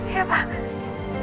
sedikit teh parah di urung urung luar